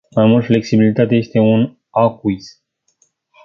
Mai mult, flexibilitatea este un "acquis”.